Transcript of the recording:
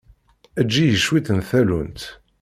Eǧǧ-iyi cwiṭ n tallunt.